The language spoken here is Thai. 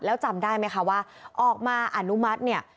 แล้วจำได้ไหมคะว่าออกมาอนุมัติเนี่ย